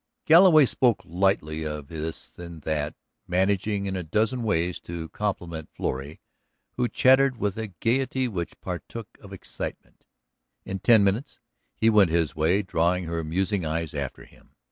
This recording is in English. Galloway spoke lightly of this and that, managing in a dozen little ways to compliment Florrie who chattered with a gayety which partook of excitement. In ten minutes he went his way, drawing her musing eyes after him.